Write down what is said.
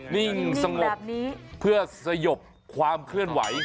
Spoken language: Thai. นิ่งสงบเพื่อสยบความเคลื่อนไหว